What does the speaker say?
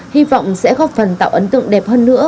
hy vọng sẽ góp phần tạo ấn tượng đẹp hơn nữa